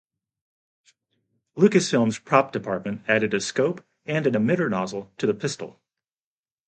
Lucasfilm's prop department added a scope and an emitter nozzle to the pistol.